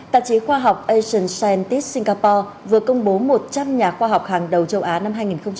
tạp chí khoa học asian scientist singapore vừa công bố một trăm linh nhà khoa học hàng đầu châu á năm hai nghìn một mươi chín